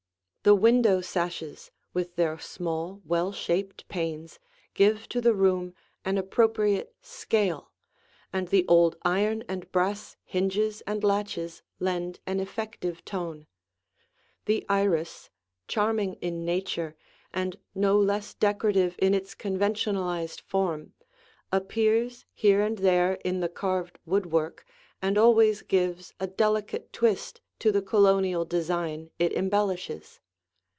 The window sashes, with their small well shaped panes, give to the room an appropriate scale, and the old iron and brass hinges and latches lend an effective tone. The iris, charming in nature and no less decorative in its conventionalized form, appears here and there in the carved woodwork and always gives a delicate twist to the Colonial design it embellishes.